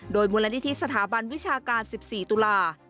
โดยมูลนิธิสถาบันวิชาการ๑๔ตุลา